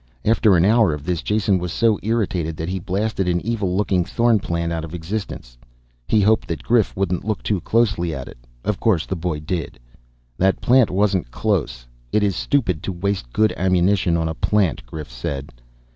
After an hour of this, Jason was so irritated that he blasted an evil looking thorn plant out of existence. He hoped that Grif wouldn't look too closely at it. Of course the boy did. "That plant wasn't close. It is stupid to waste good ammunition on a plant," Grif said.